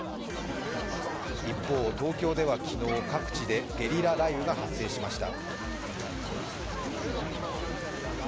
一方、東京では昨日、各地でゲリラ雷雨が発生しました。